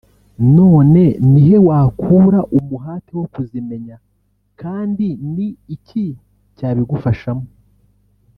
none ni he wakura umuhate wo kuzimenya kandi ni iki cyabigufashamo